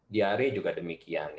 diare juga demikian